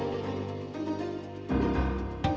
aku pilih yang lain